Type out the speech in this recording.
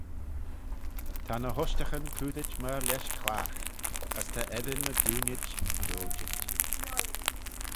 Ta ny ushtaghyn coodit myr lesh clagh, as ta eddin y diunid riojit.